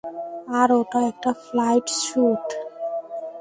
আর ওটা একটা flight sweet.